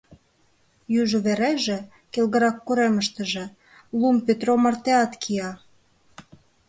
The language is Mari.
Южо вереже, келгырак коремыштыже, лум Петро мартеат кия.